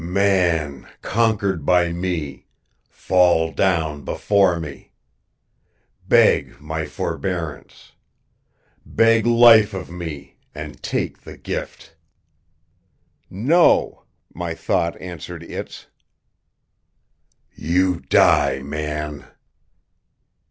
"Man conquered by me, fall down before me. Beg my forbearance. Beg life of me and take the gift!" "No," my thought answered Its. "You die, Man."